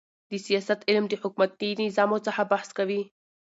د سیاست علم د حکومتي نظامو څخه بحث کوي.